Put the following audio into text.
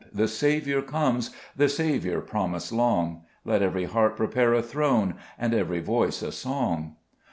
the Saviour comes, The Saviour promised long : Let every heart prepare a throne, And every voice a song.